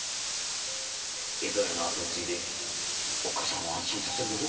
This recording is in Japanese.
江戸屋の跡を継いでおっかさんを安心させるんだぞ。